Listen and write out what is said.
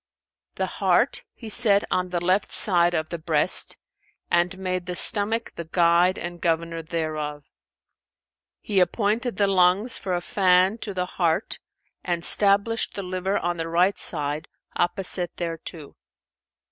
The heart He set on the left side of the breast and made the stomach the guide and governor thereof. He appointed the lungs for a fan to the heart and stablished the liver on the right side, opposite thereto.